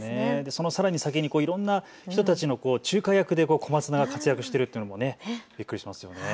そのさらに先にいろんな人たちの仲介役で小松菜が活躍しているというのもびっくりしますよね。